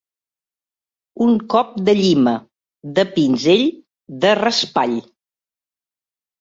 Un cop de llima, de pinzell, de raspall.